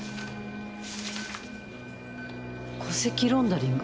戸籍ロンダリング。